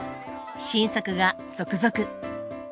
新作が続々！